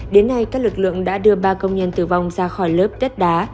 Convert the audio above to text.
đến nay các lực lượng đã đưa ba công nhân tử vong ra khỏi lớp đất đá